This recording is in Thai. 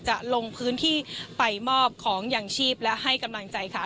จะลงพื้นที่ไปมอบของอย่างชีพและให้กำลังใจค่ะ